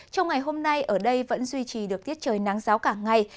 trong ngày hôm nay ở đây vẫn duy trì được tiết trời nắng giáo cả ngày